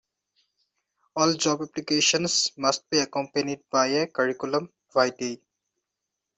All job applications must be accompanied by a curriculum vitae